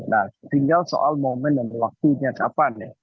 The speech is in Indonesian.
nah tinggal soal momen dan waktunya kapan ya